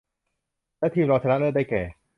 และทีมรองชนะเลิศได้แก่